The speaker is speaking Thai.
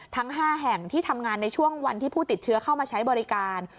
ทั้ง๕แห่งที่ทำงานในช่วงวันที่ผู้ติดเชื้อเข้ามาใช้บริการ